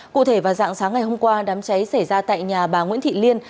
cụ thể vào dạng sáng ngày hôm qua đám cháy xảy ra tại nhà bà nguyễn thị liên